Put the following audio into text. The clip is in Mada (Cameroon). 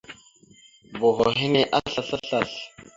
Boho henne aslasl aslasl.